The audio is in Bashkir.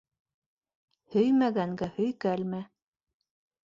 Һөймәгәнгә һөйкәлмә.